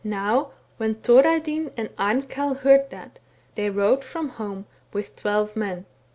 *' Now when Thorarinn and Amkell heard that, they rode from home with twelve men.